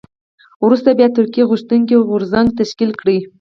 وروسته بیا ترقي غوښتونکی غورځنګ تشکیل کړ.